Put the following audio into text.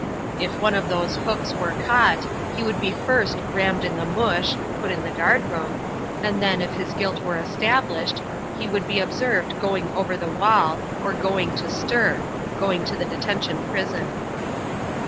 If one of those "hooks" were caught, he would be first "rammed in the mush" (put in the guardroom), and then, if his guilt were established, he would be observed "going over the wall" or "going to stir" (going to the detention prison).